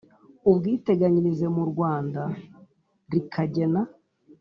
Ubwiteganyirize mu Rwanda rikagena